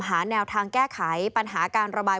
หาแนวทางแก้ไขปัญหาการระบาย